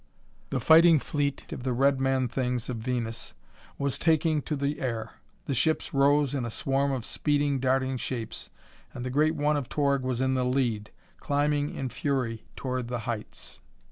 The fighting fleet of the red man things of Venus was taking to the air! The ships rose in a swarm of speeding, darting shapes, and the great one of Torg was in the lead, climbing in fury toward the heights.